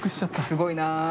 すごいな。